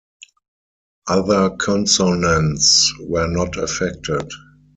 Other consonants were not affected.